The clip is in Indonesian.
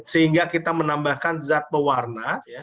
sehingga kita menambahkan zat pewarna